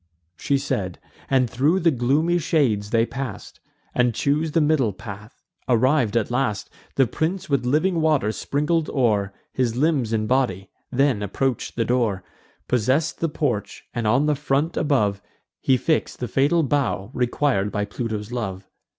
She said, and thro' the gloomy shades they pass'd, And chose the middle path. Arriv'd at last, The prince with living water sprinkled o'er His limbs and body; then approach'd the door, Possess'd the porch, and on the front above He fix'd the fatal bough requir'd by Pluto's love.